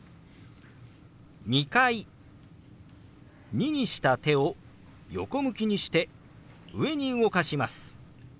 「２」にした手を横向きにして上に動かします。